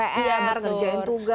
kerjain pr kerjain tugas